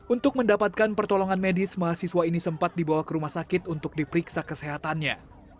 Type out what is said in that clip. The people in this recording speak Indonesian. untuk mendapatkan pertolongan medis mahasiswa ini sempat dibawa ke rumah sakit untuk diperiksa kesehatannya